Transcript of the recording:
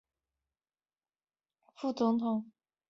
曾任正红旗满洲副都统。